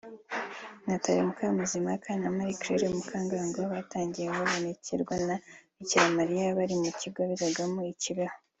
Nathalie Mukamazimpaka na Marie Claire Mukangango batangiye babonekerwa na Bikira Mariya bari mu kigo bigagamo i Kibeho